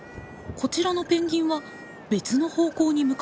こちらのペンギンは別の方向に向かっています。